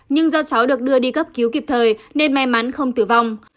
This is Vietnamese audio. nhưng do cháu được đưa đi cấp cứu kịp thời nên may mắn không tử vong